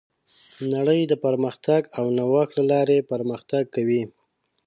نړۍ د پرمختګ او نوښت له لارې پرمختګ کوي.